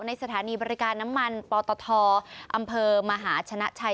สถานีบริการน้ำมันปตทอำเภอมหาชนะชัย